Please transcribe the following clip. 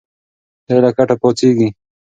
دی له کټه پاڅېږي.